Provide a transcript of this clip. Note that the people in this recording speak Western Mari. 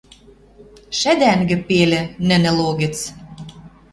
Шӓдӓнгӹ пелӹ нӹнӹ логӹц